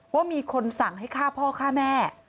ว่ามีคนสั่งให้ฆ่าพ่อฆ่าแม่